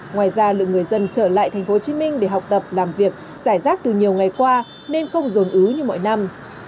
ngoài ra lượng người dân trở lại tp hcm để học tập làm việc giải rác từ nhiều ngày qua nên không dồn ứ như mọi năm